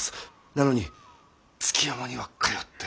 なのに築山には通っておられる。